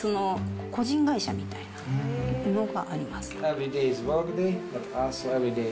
個人会社みたいなのがあります。